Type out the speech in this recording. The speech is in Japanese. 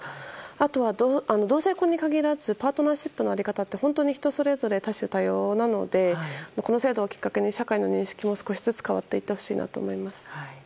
あとは、同性婚に限らずパートナーシップの在り方って人それぞれ多種多様なのでこの制度をきっかけに社会の認識も少しずつ変わっていってほしいなと思います。